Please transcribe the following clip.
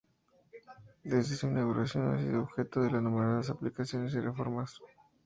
Desde su inauguración, ha sido objeto de numerosas ampliaciones y reformas.